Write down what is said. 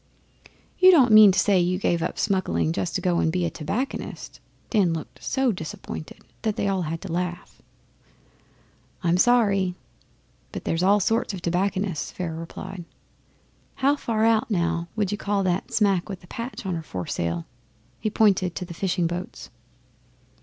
'You don't mean to say you gave up smuggling just to go and be a tobacconist!' Dan looked so disappointed they all had to laugh. 'I'm sorry; but there's all sorts of tobacconists,' Pharaoh replied. 'How far out, now, would you call that smack with the patch on her foresail?' He pointed to the fishing boats.